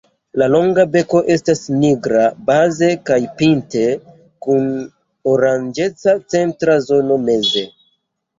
La longa beko estas nigra baze kaj pinte kun oranĝeca centra zono meze.